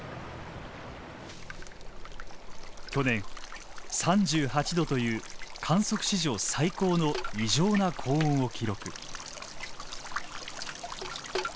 去年３８℃という観測史上最高の異常な高温を記録。